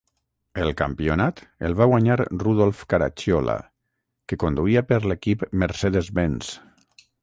El campionat el va guanyar Rudolf Caracciola, que conduïa per l'equip Mercedes-Benz.